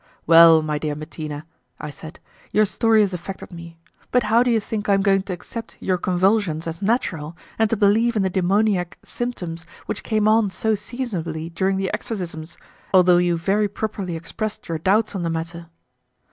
"Well, my dear Bettina," I said, "your story has affected me; but how do you think I am going to accept your convulsions as natural, and to believe in the demoniac symptoms which came on so seasonably during the exorcisms, although you very properly expressed your doubts on the matter?"